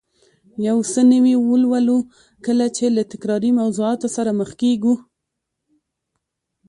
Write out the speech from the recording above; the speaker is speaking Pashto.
یو څه نوي ولولو، کله چې له تکراري موضوعاتو سره مخ کېږو